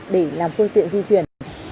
để làm phương tiện di chuyển